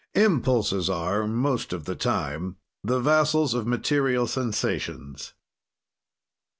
Impulses are, most of the time, the vassals of material sensations.